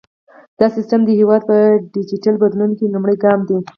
دا سیستم د هیواد په ډیجیټل بدلون کې لومړی ګام دی۔